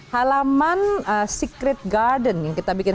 halaman secret garden yang kita bikin